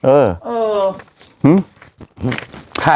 หื้อใคร